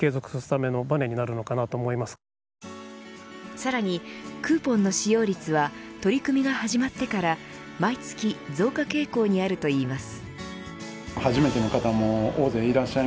さらに、クーポンの使用率は取り組みが始まってから毎月増加傾向にあるといいます。